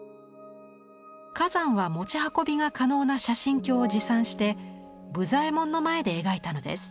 崋山は持ち運びが可能な写真鏡を持参して武左衛門の前で描いたのです。